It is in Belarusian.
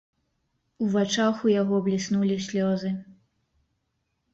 У вачах у яго бліснулі слёзы.